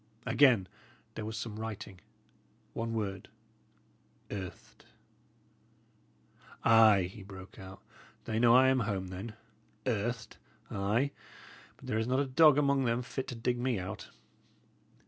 Again there was some writing: one word "Earthed." "Ay," he broke out, "they know I am home, then. Earthed! Ay, but there is not a dog among them fit to dig me out."